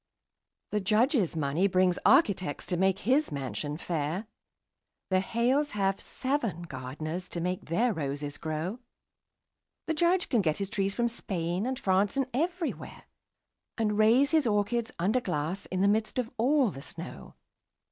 The Judge's money brings architects to make his mansion fair; The Hales have seven gardeners to make their roses grow; The Judge can get his trees from Spain and France and everywhere, And raise his orchids under glass in the midst of all the snow.